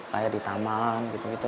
kayak di taman gitu gitu